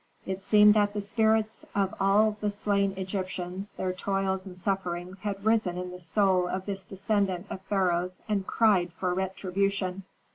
It seemed that the spirits of all the slain Egyptians, their toils and sufferings, had risen in the soul of this descendant of pharaohs and cried for retribution.